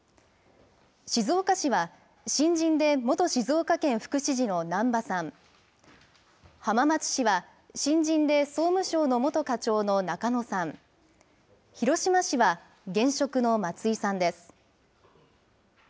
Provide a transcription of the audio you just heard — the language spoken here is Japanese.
静岡市は、新人で元静岡県副知事の難波さん、浜松市は、新人で総務省の元課長の中野さん、広島市は、現職の松井さんです。